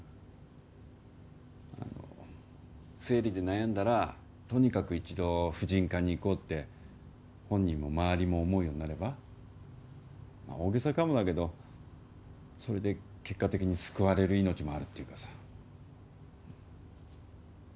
あの、生理で悩んだらとにかく一度婦人科に行こうって本人も周りも思うようになれば大げさかもだけどそれで結果的に救われる命もあるっていうかさ。